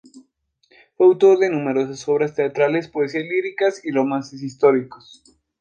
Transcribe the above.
Fue autor de numerosas obras teatrales, poesías líricas y romances históricos.